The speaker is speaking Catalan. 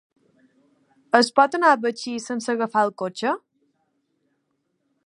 Es pot anar a Betxí sense agafar el cotxe?